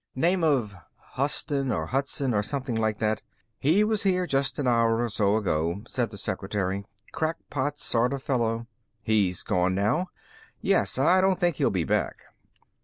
"Name of Huston or Hudson or something like that." "He was here just an hour or so ago," said the secretary. "Crackpot sort of fellow." "He's gone now?" "Yes. I don't think he'll be back."